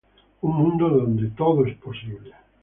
Un mundo donde todo es posible.